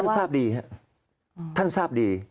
ทราบดีครับท่านทราบดี